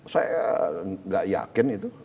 saya gak yakin itu